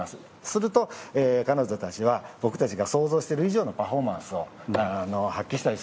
すると彼女たちは僕たちが想像している以上のパフォーマンスを発揮したりするんですよね。